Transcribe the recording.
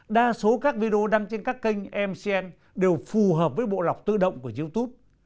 đa số các video đăng trên các kênh mcn đều phù hợp với bộ lọc tự động của youtube